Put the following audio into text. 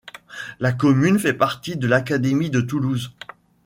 La commune fait partie de l'Académie de Toulouse.